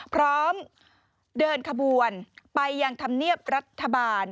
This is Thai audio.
พร้อมเดินขบวนไปยังธรรมเนียบรัฐบาล